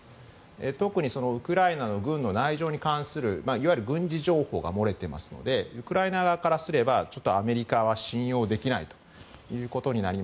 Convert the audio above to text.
特にウクライナの軍の内情に関するいわゆる軍事情報が漏れていますのでウクライナからすればアメリカは信用できないということになり